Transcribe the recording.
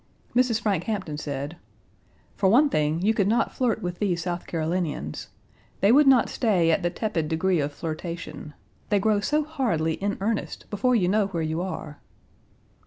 Mrs. Frank Hampton said: "For one thing, you could not flirt with these South Carolinians. They would not stay at the tepid degree of flirtation. They grow so horridly in earnest before you know where you are."